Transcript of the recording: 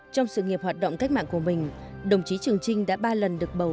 trong sự nghiệp hoạt động cách mạng của mình đồng chí trường trinh đã ba lần được bầu